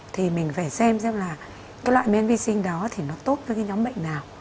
thì mình phải xem xem là cái loại men vi sinh đó thì nó tốt với cái nhóm bệnh nào